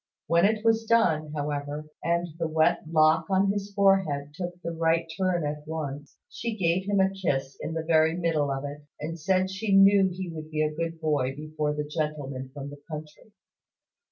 When it was done, however, and the wet lock on his forehead took the right turn at once, she gave him a kiss in the very middle of it, and said she knew he would be a good boy before the gentleman from the country.